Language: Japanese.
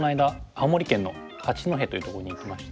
青森県の八戸というところに行きまして。